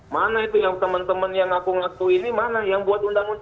mana itu yang teman teman yang ngaku ngaku ini mana yang buat undang undang